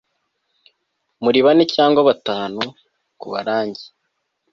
Muri bane cyangwa batanu kubarangi